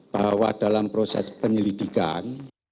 bahwa dalam proses penyelidikan